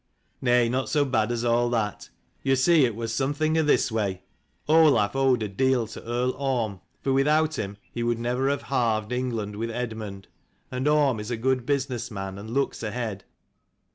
" Nay, not so bad as all that. You see it was something o' this way. Olaf owed a deal to Earl Orm, for without him he would never have halved England with Eadmund. And Orm is a good business man, and looks ahead.